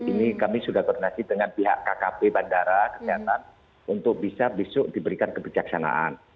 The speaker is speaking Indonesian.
ini kami sudah koordinasi dengan pihak kkp bandara kesehatan untuk bisa besok diberikan kebijaksanaan